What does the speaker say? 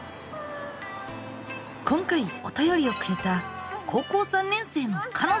今回おたよりをくれた高校３年生のかの。